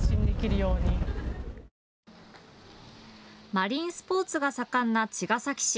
マリンスポーツが盛んな茅ヶ崎市。